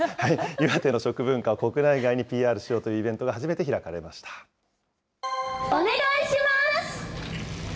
岩手の食文化を国内外にＰＲしようというイベントが初めて開かれお願いします。